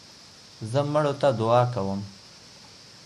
زه مړو ته دؤعا کوم.